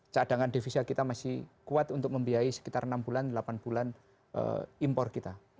cadangan devisa kita masih kuat untuk membiayai sekitar enam bulan delapan bulan impor kita